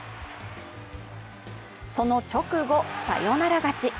その直後、サヨナラ勝ち。